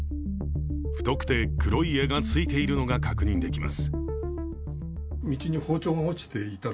太くて黒い柄がついているのが確認できます。